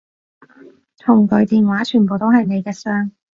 同佢電話全部都係你嘅相